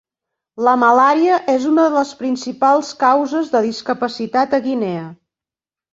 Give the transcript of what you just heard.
La malària és una de les principals causes de discapacitat a Guinea.